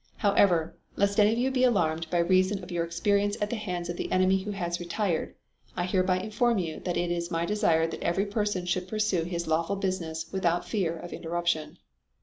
However, lest any of you be alarmed by reason of your experience at the hands of the enemy who has retired, I hereby inform you that it is my desire that every person should pursue his lawful business without fear of interruption.